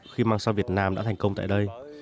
khi mang sang việt nam đã thành công tại đây